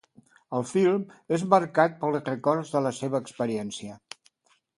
El film és marcat pels records de la seva experiència.